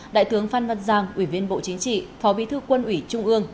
đại tướng phan văn giang ủy viên bộ chính trị phó bí thư quân ủy trung ương